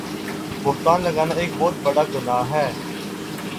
بہتان لگانا ایک بہت بڑا گناہ ہے